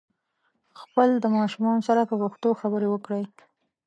خپل د ماشومانو سره په پښتو خبري وکړئ